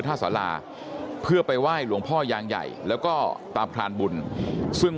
สาราเพื่อไปไหว้หลวงพ่อยางใหญ่แล้วก็ตามพรานบุญซึ่ง